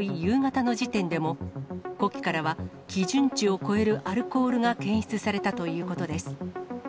夕方の時点でも、呼気からは基準値を超えるアルコールが検出されたということです。